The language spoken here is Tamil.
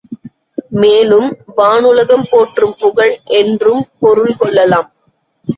மேலும், வானுலகம் போற்றும் புகழ் என்றும் பொருள் கொள்ளலாம்.